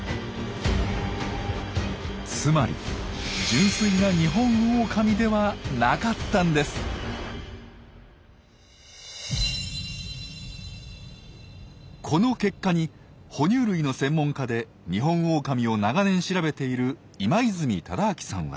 つまりこの結果に哺乳類の専門家でニホンオオカミを長年調べている今泉忠明さんは。